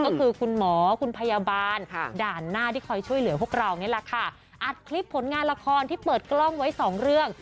ก็คือคุณหมอคุณพยาบาลด่านหน้าที่คอยช่วยเหลือพวกเรานี่แหละค่ะอัดคลิปผลงานละครที่เปิดกล้องไว้สองเรื่อง